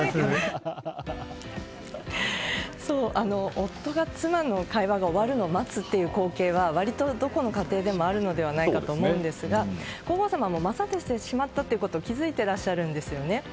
夫が妻の会話が終わるのを待つという光景は割とどこの家庭でもあるのではないかと思うんですが皇后さまも待たせてしまったということに気づいていらっしゃるんですよね。